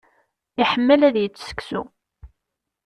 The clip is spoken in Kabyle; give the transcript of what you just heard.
Iḥemmel ad yečč seksu.